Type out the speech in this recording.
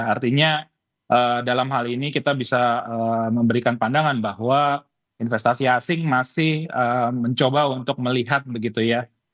artinya dalam hal ini kita bisa memberikan pandangan bahwa investasi asing masih mencoba untuk melihat begitu ya